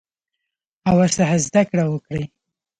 او ورڅخه زده کړه وکړي.